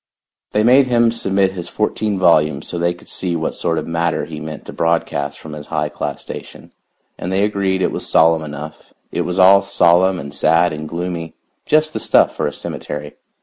They made him submit his fourteen volumes so they could see what sort of matter he meant to broadcast from his high class station, and they agreed it was solemn enough; it was all solemn and sad and gloomy, just the stuff for a cemetery.